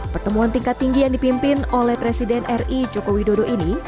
pertemuan tingkat tinggi yang dipimpin oleh presiden ri joko widodo ini